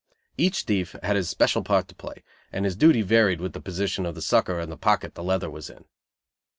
Each thief had his special part to play, and his duty varied with the position of the sucker and the pocket the "leather" was in.